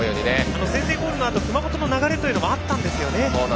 先制ゴールのあと熊本の流れというのもあったんですよね。